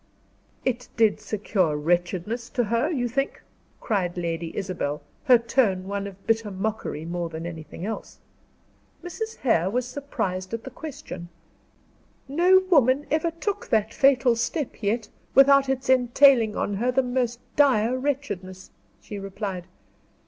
"It did secure wretchedness to her, you think?" cried Lady Isabel, her tone one of bitter mockery more than anything else. Mrs. Hare was surprised at the question. "No woman ever took that fatal step yet, without its entailing on her the most dire wretchedness," she replied.